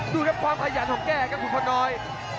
ดูครับความขยันของแกครับขุนพลน้อย